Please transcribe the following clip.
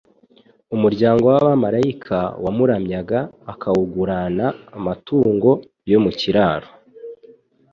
umuryango w'abamalaika wamuramyaga akawugurana amatungo yo mu kiraro.